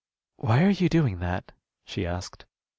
"Why are you doing that?" she asked.